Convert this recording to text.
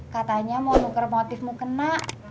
katanya mau nuker motif mukena